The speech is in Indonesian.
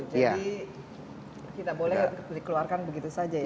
jadi kita boleh dikeluarkan begitu saja ya